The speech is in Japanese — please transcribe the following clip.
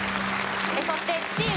そしてチーム